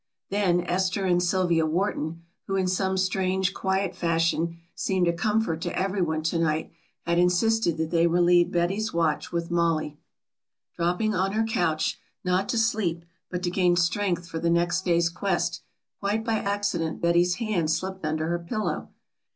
Then Esther and Sylvia Wharton, who in some strange, quiet fashion seemed a comfort to everyone to night, had insisted that they relieve Betty's watch with Mollie. Dropping on her couch, not to sleep but to gain strength for the next day's quest, quite by accident Betty's hand slipped under her pillow.